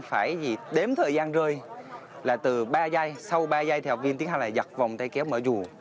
học viên phải đếm thời gian rơi là từ ba giây sau ba giây thì học viên tiến hành là giật vòng tay kéo mở dù